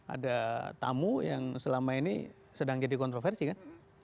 ada tamu yang selama ini sedang jadi kontroversi kan